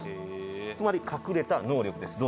つまり隠れた能力ですどうぞ。